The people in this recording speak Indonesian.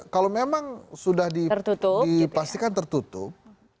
kalau memang sudah dipastikan tertutup